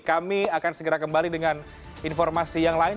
kami akan segera kembali dengan informasi yang lain